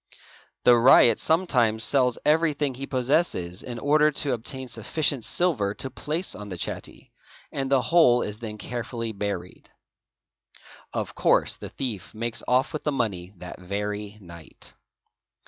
The ryot sometimes sells everything he possesses in order to obtain sufficient silver to place on the chatty, and the whole is then carefully buried. Of course the thief makes off with the money ~ that very night.